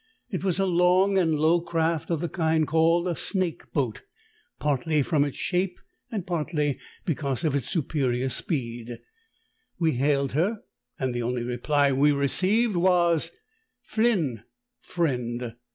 It was a long and low craft of the kind called a 'snake boat,' partly from its shape and parth^ because of its superior speed. We hailed her, and the only reply we received was 'Flin,' ('Friend.